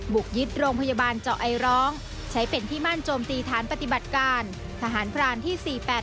ยึดโรงพยาบาลเจาะไอร้องใช้เป็นที่มั่นโจมตีฐานปฏิบัติการทหารพรานที่สี่แปด